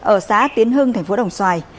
ở xá tiến hưng tp đồng xoài